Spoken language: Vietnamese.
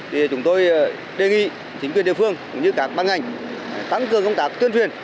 thì chúng tôi đề nghị chính quyền địa phương cũng như các băng ngành tăng cường công tác tuyên truyền